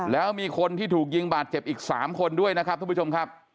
แล้วมีคนที่ถูกยิงบาดเจ็บอีก๓คนด้วยนะครับทุกผู้ชมครับ